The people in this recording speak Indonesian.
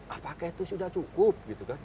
apakah itu sudah cukup